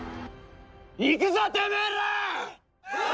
行くぞ、てめえら！